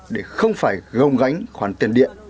để không phải gồng gánh khoản tiền điện